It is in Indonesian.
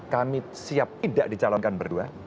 kami siap tidak dicalonkan berdua